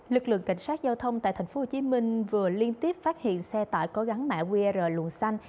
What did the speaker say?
lực lượng cảnh sát giao thông tại tp hcm vừa liên tiếp phát hiện xe tải có gắn mã qr luồng xanh